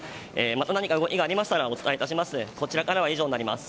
また何か動きがありましたらお伝え致します。